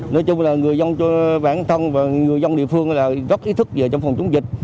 nói chung là người dân bản thân và người dân địa phương rất ý thức về phòng chống dịch